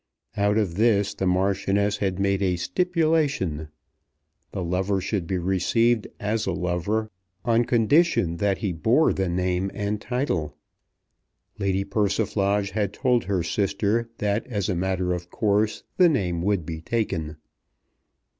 Out of this the Marchioness had made a stipulation. The lover should be received as a lover, on condition that he bore the name and title. Lady Persiflage had told her sister that as a matter of course the name would be taken.